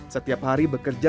setiap hari bekerja